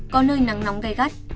có nơi nắng nóng gầy gắt